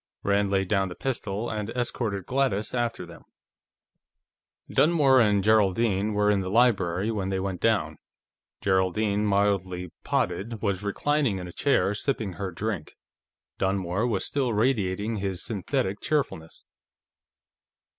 Rand laid down the pistol and escorted Gladys after them. Dunmore and Geraldine were in the library when they went down. Geraldine, mildly potted, was reclining in a chair, sipping her drink. Dunmore was still radiating his synthetic cheerfulness.